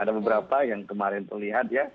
ada beberapa yang kemarin terlihat ya